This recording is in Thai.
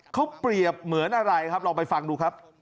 เขาเปรียบเหมือนอะไรครับลองไปฟังดูครับ